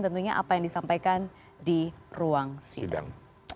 tentunya apa yang disampaikan di ruang sidang